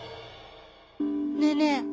ねえねえ